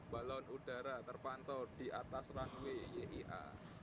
balon udara terpantau di atas runway yia